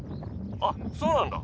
あっそうなんだ。